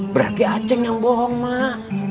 berarti aceh yang bohong mak